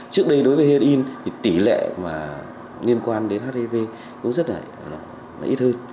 trước đây đối với heroin tỷ lệ liên quan đến hiv cũng rất là lớn